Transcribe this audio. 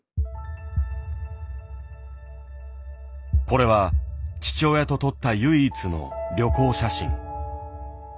これは父親と撮った唯一の旅行写真。